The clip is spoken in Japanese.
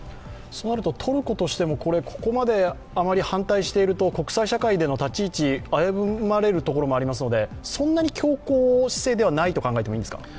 そうなると、トルコとしてもここまであまり反対していると国際社会での立ち位置危ぶまれるところもありますのでそんなに強硬姿勢ではないと考えていいですか？